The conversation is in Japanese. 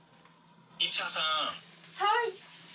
はい！